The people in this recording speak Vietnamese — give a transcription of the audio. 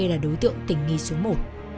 là đối tượng tình nghi số một